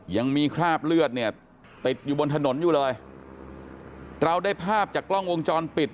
ยังมีคราบเลือดเนี่ยติดอยู่บนถนนอยู่เลยเราได้ภาพจากกล้องวงจรปิด